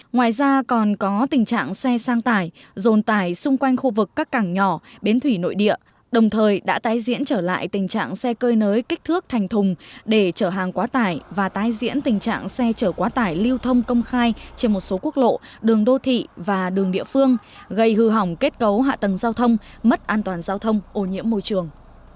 ngoài ra còn có tình trạng xe sang tải dồn tải xung quanh khu vực các cảng nhỏ bến thủy nội địa đồng thời đã tái diễn trở lại tình trạng xe cơi nới kích thước thành thùng để trở hàng quá tải và tái diễn tình trạng xe trở quá tải lưu thông công khai trên một số quốc lộ đường đô thị và đường địa phương gây hư hỏng kết cấu hạ tầng giao thông mất an toàn giao thông ô nhiễm môi trường